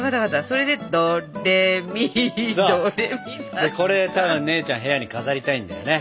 そうでこれただ姉ちゃん部屋に飾りたいんだよね。